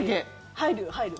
入るよ、入る。